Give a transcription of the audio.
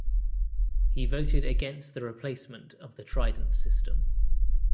He voted against the replacement of the Trident system.